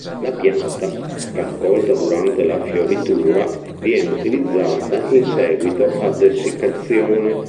La pianta, raccolta durante la fioritura, viene utilizzata in seguito ad essiccazione.